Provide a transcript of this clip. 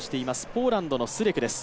ポーランドのスレクです。